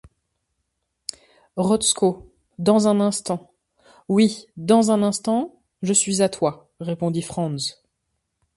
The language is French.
Rotzko... dans un instant... oui... dans un instant... je suis à toi, répondit Franz.